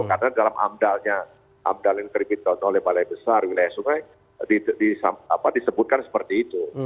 karena dalam amdalnya amdal yang terbitkan oleh balai besar wilayah sungai disebutkan seperti itu